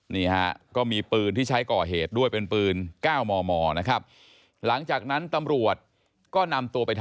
นี่ฮะก็มีปืนที่ใช้ก่อเหตุด้วยเป็นปืน๙มนะครับ